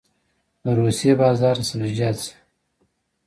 د روسیې بازار ته سبزیجات ځي